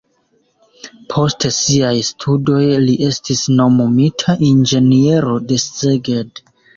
Post siaj studoj li estis nomumita inĝeniero de Szeged.